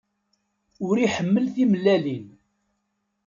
Ur ḥemmleɣ timellalin.